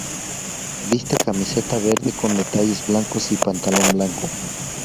Viste camiseta verde con detalles blancos y pantalón blanco.